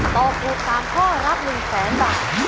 ตอบถูก๓ข้อรับ๑แสนบาท